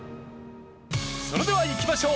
それではいきましょう。